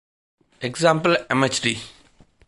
Example mhd.